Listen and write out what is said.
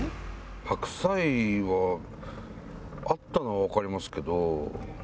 白菜はあったのはわかりますけど。